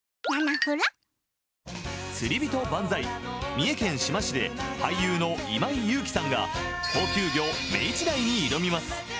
三重県志摩市で俳優の今井悠貴さんが高級魚、メイチダイに挑みます。